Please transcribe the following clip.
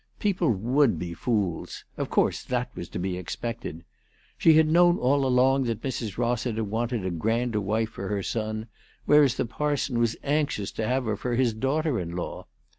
People would be fools. Of course that was to be expected. She had known all along that Mrs. Rossiter wanted a grander wife for her son, whereas the parson was anxious to have her for his daughter in law.